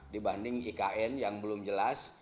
dibanding ikn yang belum jelas